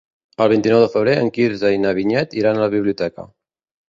El vint-i-nou de febrer en Quirze i na Vinyet iran a la biblioteca.